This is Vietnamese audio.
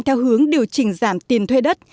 theo hướng điều chỉnh giảm tiền thuê đất